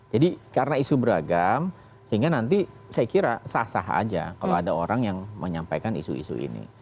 jadi karena isu beragam sehingga nanti saya kira sah sah saja kalau ada orang yang menyampaikan isu isu ini